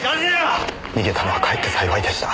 逃げたのはかえって幸いでした。